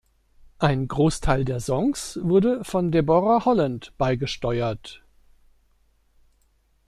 Ein Großteil der Songs wurde von Deborah Holland beigesteuert.